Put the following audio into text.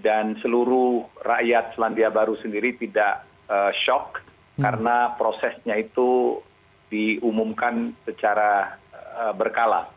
dan seluruh rakyat selandia baru sendiri tidak shock karena prosesnya itu diumumkan secara berkala